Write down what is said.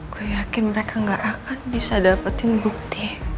gue yakin mereka gak akan bisa dapetin bukti